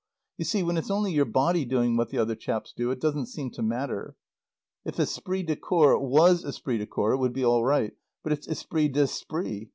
You see, when it's only your body doing what the other chaps do, it doesn't seem to matter. If esprit de corps was esprit de corps it would be all right. But it's esprit d'esprit.